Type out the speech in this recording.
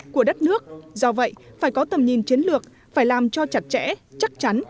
của đất nước do vậy phải có tầm nhìn chiến lược phải làm cho chặt chẽ chắc chắn